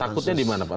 takutnya di mana pak